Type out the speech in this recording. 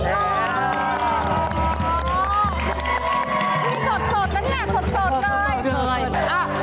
พี่สดนะนี่สดด้วย